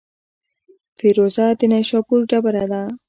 فیروزه د نیشاپور ډبره ده.